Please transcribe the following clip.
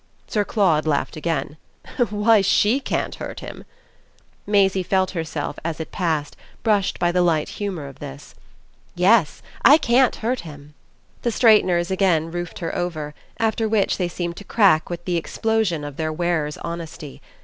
Sir Claude laughed again. "Why SHE can't hurt him!" Maisie felt herself, as it passed, brushed by the light humour of this. "Yes, I can't hurt him." The straighteners again roofed her over; after which they seemed to crack with the explosion of their wearer's honesty.